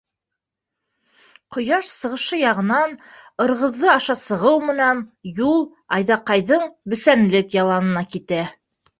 Ҡояш сығышы яғынан Ырғыҙҙы аша сығыу менән юл Айҙаҡайҙың бесәнлек яланына китә.